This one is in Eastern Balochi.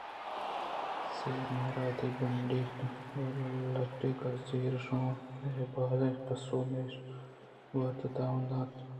سیہ مار وتی بُنڈی ئیں لِٹّک ءِ زہر ءَ شوٛانگ ءِ بازیں پس ءُ میش ئے وارت ءُ تاوان دنت